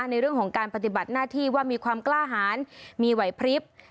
ในเรื่องของการปฏิบัติหน้าที่ว่ามีความกล้าหารมีไหวพลิบ